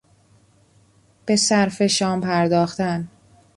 به صرف شام پرداختن